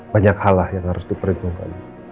banyak hal lah yang harus diperhitungkan